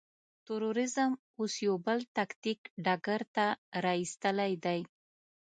تروريزم اوس يو بل تاکتيک ډګر ته را اېستلی دی.